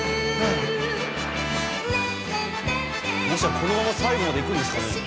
このまま最後までいくんですかね？